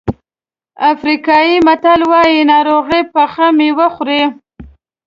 افریقایي متل وایي ناروغه پخې مېوې خوري.